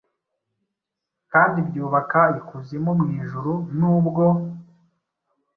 kandi byubaka ikuzimu mu ijuru nubwo.'